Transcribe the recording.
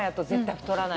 太らない。